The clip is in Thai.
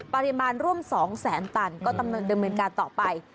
ปริมาณร่วม๒แสนตันก็ดำเนินการต่อไป